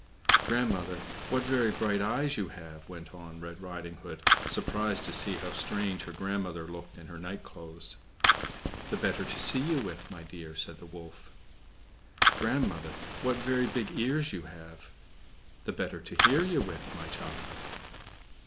"Grandmother, what very bright eyes you have!" went on Red Riding Hood, surprised to see how strange her grandmother looked in her nightclothes. "The better to see you with, my dear," said the wolf. "Grandmother, what very big ears you have!" "The better to hear you with, my child."